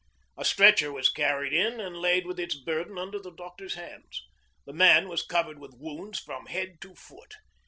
A stretcher was carried in and laid with its burden under the doctor's hands. The man was covered with wounds from head to foot.